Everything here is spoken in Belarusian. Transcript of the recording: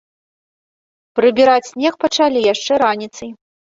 Прыбіраць снег пачалі яшчэ раніцай.